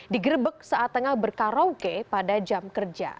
digerebek saat tengah berkaraoke pada jam kerja